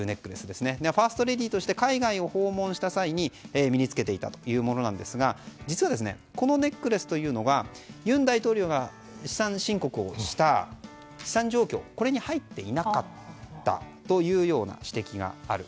ファーストレディーとして海外を訪問した際に身に着けていたというものなんですが実は、このネックレスというのが尹大統領が資産申告をした資産状況に入っていなかったというような指摘がある。